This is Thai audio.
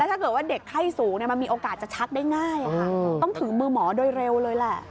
ถ้าเกิดว่าเด็กไข้สูงมันมีโอกาสจะชักได้ง่ายค่ะต้องถึงมือหมอโดยเร็วเลยแหละ